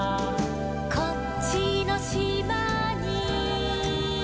「こっちのしまに」